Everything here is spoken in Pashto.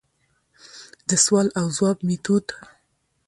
دسوال او ځواب ميتود: